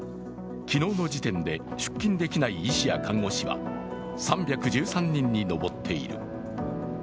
昨日時点で、出勤できない医師や看護師は３１３人に上っている。